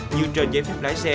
như trên giấy phép lái xe